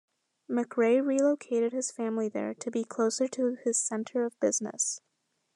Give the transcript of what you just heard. McRae relocated his family there to be closer to his center of business.